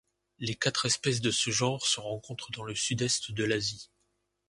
Les quatre espèces de ce genre se rencontrent dans le sud-est de l'Asie.